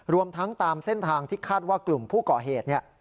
รวมทั้งตามเส้นทางที่คาดว่ากลุ่มผู้ก่อเหตุเนี่ย